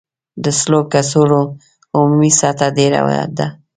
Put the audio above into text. د سږو کڅوړو عمومي سطحه ډېره ده.